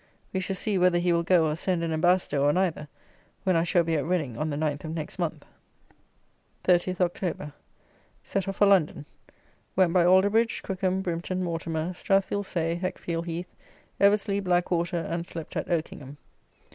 We shall see, whether he will go, or send an ambassador, or neither, when I shall be at Reading on the 9th of next month. 30 October. Set off for London. Went by Alderbridge, Crookham, Brimton, Mortimer, Strathfield Say, Heckfield Heath, Eversley, Blackwater, and slept at Oakingham.